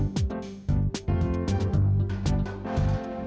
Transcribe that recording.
kamu gimana sih